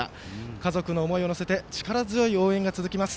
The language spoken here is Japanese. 家族の夢を乗せて力強い応援が続きます。